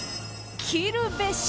切るべし。